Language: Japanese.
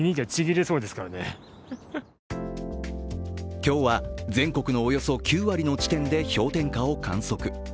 今日は全国のおよそ９割の地点で氷点下を観測。